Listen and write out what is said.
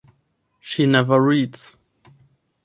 She never reads.